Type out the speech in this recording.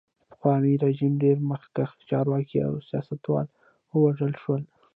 د پخواني رژیم ډېر مخکښ چارواکي او سیاستوال ووژل شول.